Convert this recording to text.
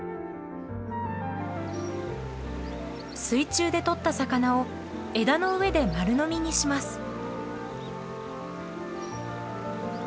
水中でとった魚を枝の上で丸飲みにします。